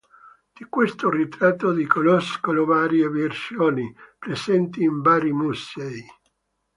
Di questo ritratto di conoscono varie versioni, presenti in vari musei.